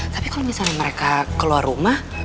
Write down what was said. tapi kalau misalnya mereka keluar rumah